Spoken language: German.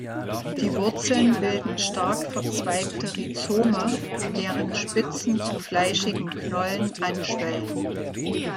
Die Wurzeln bilden stark verzweigte Rhizome, deren Spitzen zu fleischigen Knollen anschwellen.